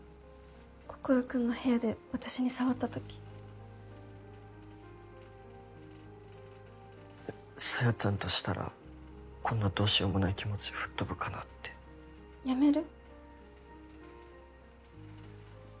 心君の部屋で私に触ったとき小夜ちゃんとしたらこんなどうしようもない気持ち吹っ飛ぶかなってやめる？